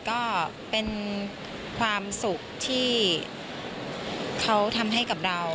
ก็เป็นความสุขที่เขาทำให้กับเรา